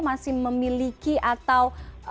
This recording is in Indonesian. masih memiliki atau